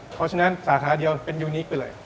เพราะฉะนั้นสาขาเดียวเป็นยูนิคไปเลย